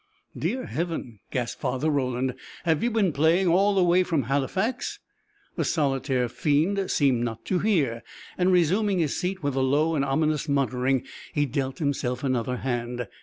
"Dear Heaven!" gasped Father Roland. "Have you been playing all the way from Halifax?" The solitaire fiend seemed not to hear, and resuming his seat with a low and ominous muttering, he dealt himself another hand.